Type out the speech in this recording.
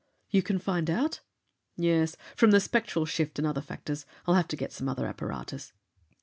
"You can find out?" "Yes. From the spectral shift and other factors. I'll have to get some other apparatus."